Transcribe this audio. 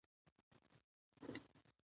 که ماشوم ستونزه نه مني، صبر وکړئ.